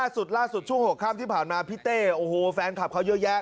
สุดล่าสุดช่วงหัวข้ามที่ผ่านมาพี่เต้โอ้โหแฟนคลับเขาเยอะแยะ